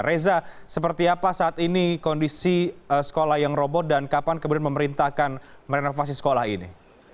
reza seperti apa saat ini kondisi sekolah yang robo dan kapan kemudian memerintahkan merenovasi sekolah ini